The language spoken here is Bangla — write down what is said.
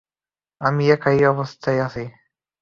আমিও একই অবস্থায় আছি।